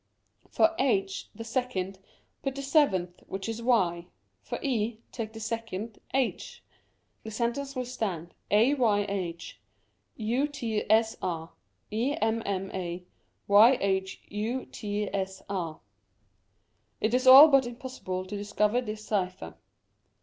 For h the second, put the seventh, which is y ; for E, take the second, h. The sentence will stand " Ayh utsr emma yhutsr." It is all but impossible to discover this cypher.